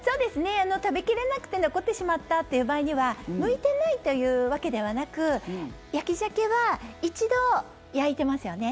食べ切れなくて残ってしまったという場合には向いてないというわけではなく焼きザケは一度焼いてますよね。